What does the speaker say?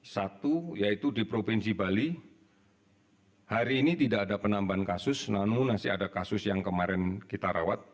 satu yaitu di provinsi bali hari ini tidak ada penambahan kasus namun masih ada kasus yang kemarin kita rawat